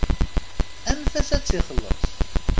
Anef-as ad t-ixelleṣ.